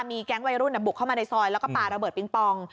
มีแก๊งวัยรุ่นบุกเข้ามาในซอยแล้วก็ปลาระเบิดปิงปอง